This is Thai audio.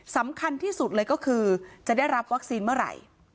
สำคัญที่สุดเลยก็คือจะได้รับวัคซีนเมื่อไหร่